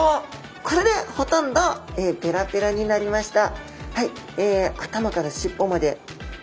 これでほとんどペラペラになりました。